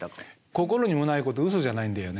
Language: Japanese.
心にもないことウソじゃないんだよね。